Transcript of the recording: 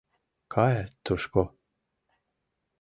— Кае тушко!